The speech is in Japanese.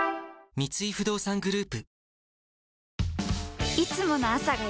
三井不動産グループ